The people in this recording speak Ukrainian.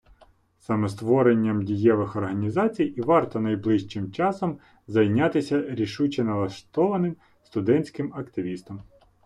Саме створенням дієвих організацій і варто найближчим часом зайнятися рішуче налаштованим студентським активістам.